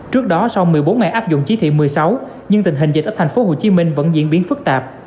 trước đó sau một mươi bốn ngày áp dụng chí thị một mươi sáu nhưng tình hình dịch ở thành phố hồ chí minh vẫn diễn biến phức tạp